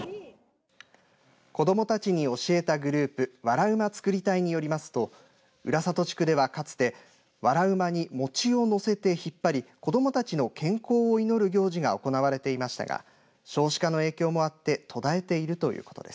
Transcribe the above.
子どもたちに教えたグループわら馬作り隊によりますと浦里地区では、かつてわら馬に餅をのせて引っ張り子どもたちの健康を祈る行事が行われていましたが少子化の影響もあって途絶えているということです。